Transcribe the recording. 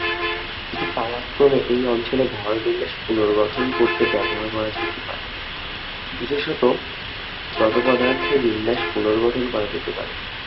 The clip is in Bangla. এটি, পালাক্রমে, এই অঞ্চলে ভর বিন্যাস পুনর্গঠন করতে ব্যবহার করা যেতে পারে: বিশেষত, তমোপদার্থের বিন্যাস পুনর্গঠন করা যেতে পারে।